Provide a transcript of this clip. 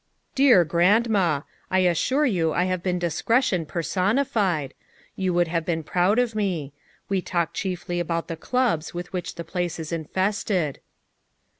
"Dear Grandma, I assure you I have been discretion personified; you would have been proud of me. We talked chiefly about the clubs with which the place is infested."